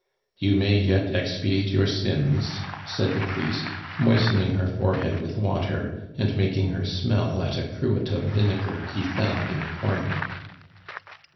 "You may yet expiate your sins," said the priest, moistening her forehead with water, and making her smell at a cruet of vinegar he found in a corner.